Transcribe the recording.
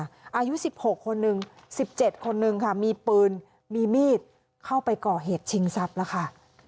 อายุ๑๖คนหนึ่ง๑๗คนนึงค่ะมีปืนมีมีดเข้าไปก่อเหตุชิงทรัพย์แล้วค่ะ